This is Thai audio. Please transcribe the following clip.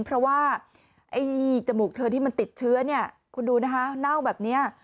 เพราะว่าไอ้จมูกเธอที่มันติดเชื้อเนี่ยคุณดูนะคะเน่าแบบนี้